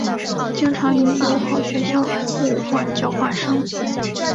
经常与友好学校互换交换生。